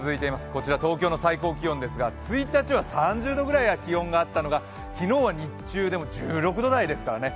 こちら、東京の最高気温ですが１日は３０度ぐらい気温があったのが昨日は日中でも１６度台ですからね。